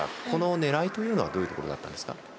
このねらいというのはどういうところだったんですか？